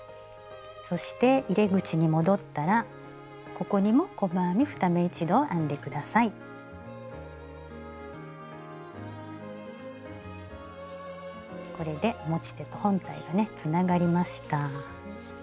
そして入れ口に戻ったらここにもこれで持ち手と本体がねつながりました。